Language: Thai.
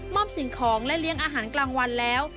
อบสิ่งของและเลี้ยงอาหารกลางวันแล้ว